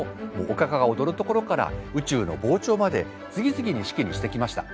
おかかが踊るところから宇宙の膨張まで次々に式にしてきました。